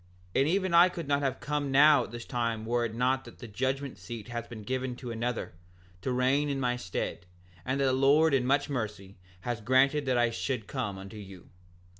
7:2 And even I could not have come now at this time were it not that the judgment seat hath been given to another, to reign in my stead; and the Lord in much mercy hath granted that I should come unto you.